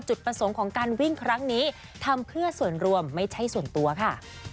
จุดประสงค์ของการวิ่งครั้งนี้ทำเพื่อส่วนรวมไม่ใช่ส่วนตัวค่ะ